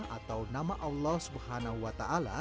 atau nama allah swt